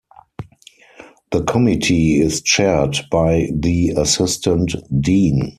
The committee is chaired by the Assistant Dean.